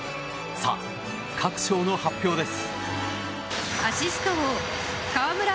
さあ、各賞の発表です。